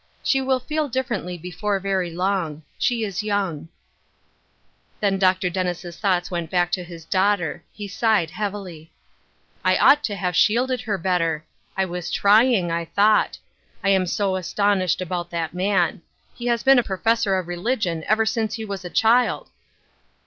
She will feel differ ently before very long. She is young." Then Dr. Dennis' thoughts went back to hia daughter. He sighed heavily : "I ought to have shielded her better ; I was trying, I thought. I am so astonished about that 160 Ruth Er shine 8 CrosstB, man ! He has been a professor of religion ever since he was a child."